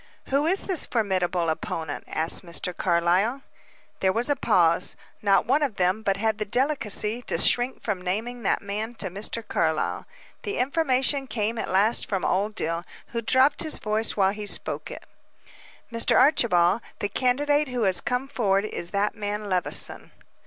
"Who is this formidable opponent?" asked Mr. Carlyle. There was a pause. Not one of them but had the delicacy to shrink from naming that man to Mr. Carlyle. The information came at last from Old Dill, who dropped his voice while he spoke it. "Mr. Archibald, the candidate who has come forward, is that man Levison."